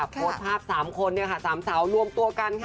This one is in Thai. โพสภาพสามคนเนี่ยค่ะสามสาวรวมตัวกันค่ะ